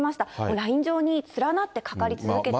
ライン状に連なってかかり続けて。